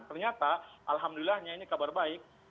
ternyata alhamdulillahnya ini kabar baik